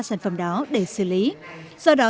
sản phẩm đó để xử lý do đó